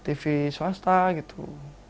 tv swasta gitu